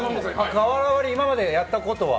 瓦割りを今までやったことは？